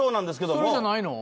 それじゃないの？